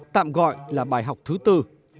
tạm gọi là bài học thứ bốn